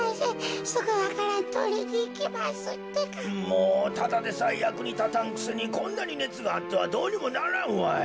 もうただでさえやくにたたんくせにこんなにねつがあってはどうにもならんわい。